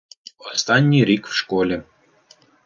останній рік в школі